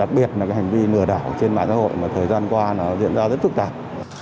đặc biệt là cái hành vi lừa đảo trên mạng xã hội mà thời gian qua nó diễn ra rất phức tạp